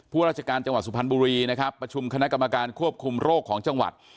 ราชการจังหวัดสุพรรณบุรีนะครับประชุมคณะกรรมการควบคุมโรคของจังหวัด